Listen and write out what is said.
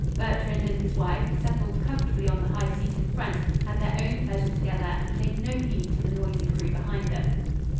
Bertrand and his wife, settled comfortably on the high seat in front, had their own pleasure together and paid no heed to the noisy crew behind them.